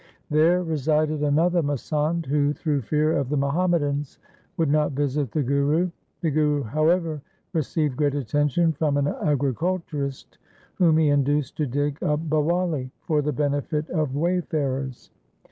There resided another masand who through fear of the Muhammadans would not visit the Guru. The Guru, however, received great attention from an agriculturist whom he induced to dig a Bawali for the benefit of wayfarers.